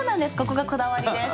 ここがこだわりです。